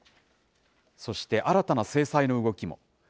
そして新たな制裁の動きも。